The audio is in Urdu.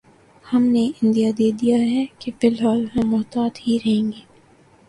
ہم نے عندیہ دے دیا ہے کہ فی الحال ہم محتاط ہی رہیں گے۔